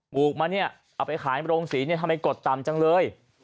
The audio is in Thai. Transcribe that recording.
ปูกมาเนี่ยเอาไปขายไปโรงศีลทำไมกดต่ำจังเลย